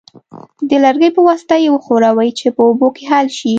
د لرګي په واسطه یې وښورئ چې په اوبو کې حل شي.